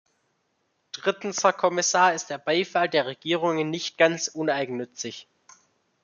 Drittens, Herr Kommissar, ist der Beifall der Regierungen nicht ganz uneigennützig.